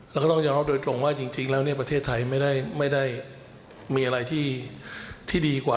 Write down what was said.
แล้วก็ต้องยอมรับโดยตรงว่าจริงแล้วประเทศไทยไม่ได้มีอะไรที่ดีกว่า